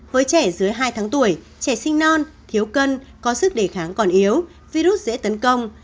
với trẻ dưới hai tháng tuổi trẻ sinh non thiếu cân có sức đề kháng còn yếu virus dễ tấn công